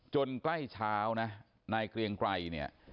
ใกล้เช้านะนายเกรียงไกรเนี่ย